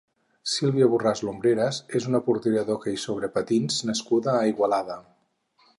Sílvia Borràs Lumbreras és una portera d'hoquei sobre patins nascuda a Igualada.